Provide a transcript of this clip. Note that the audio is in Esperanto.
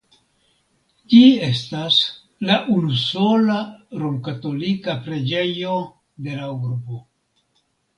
Ĝi estas la unusola romkatolika preĝejo de la urbo.